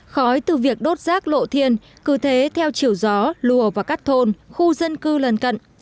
khói từ việc đốt rác lộ thiên cứ thế theo chiều gió lùa vào các thôn khu dân cư lần cận